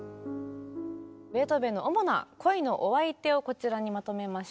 ベートーベンの主な恋のお相手をこちらにまとめました。